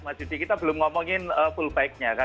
mas judi kita belum ngomongin full bike nya kan